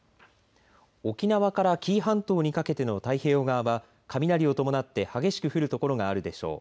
沖縄から紀伊半島にかけての太平洋側は雷を伴って激しく降る所があるでしょう。